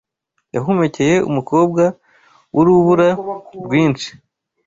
yahumekeye Umukobwa w’urubura rwinshii